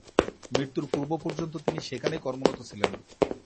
মৃত্যুর পূর্ব পর্যন্ত তিনি সেখানেই কর্মরত ছিলেন।